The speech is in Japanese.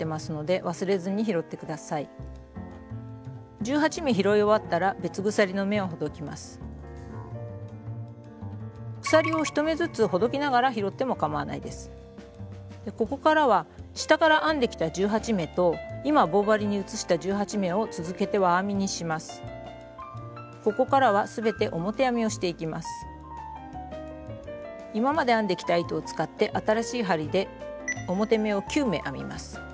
今まで編んできた糸を使って新しい針で表目を９目編みます。